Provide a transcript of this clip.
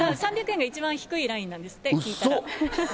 ３００円が一番低いラインなんですって、聞いたら。